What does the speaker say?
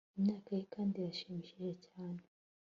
Imyaka ye kandi irashimishije cyane